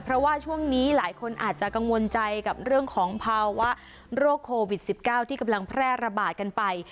เพราะว่าช่วงนี้หลายคนอาจจะกังวลใจกับเรื่องของภาวะโรคโควิด๑๙ที่กำลังแพร่ระบาดกันไป